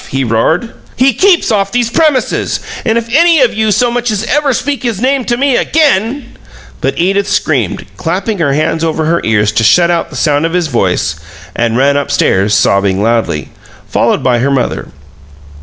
he roared. "He keeps off these premises! And if any of you so much as ever speak his name to me again " But Edith screamed, clapping her hands over her ears to shut out the sound of his voice, and ran up stairs, sobbing loudly, followed by her mother.